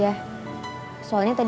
soalnya tadi aku dateng ke rumah tadi